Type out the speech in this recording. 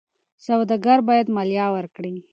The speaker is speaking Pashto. سوداګر باید مالیه ورکړي.